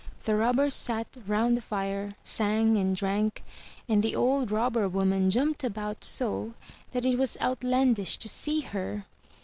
The Robbers sat round the fire, sang and drank; and the old Robber woman jumped about so, that it was outlandish to see her.